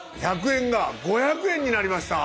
１００円が５００円になりました！